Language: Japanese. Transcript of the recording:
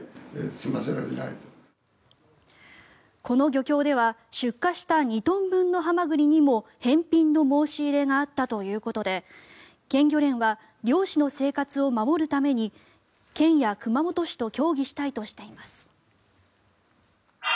この漁協では出荷した２トン分のハマグリにも返品の申し入れがあったということで県漁連は漁師の生活を守るために県や熊本市と協議したいとしています。